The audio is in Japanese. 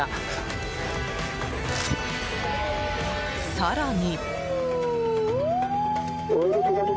更に。